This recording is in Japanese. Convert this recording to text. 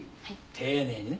丁寧にね。